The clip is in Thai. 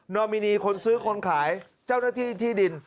อมินีคนซื้อคนขายเจ้าหน้าที่ที่ดิน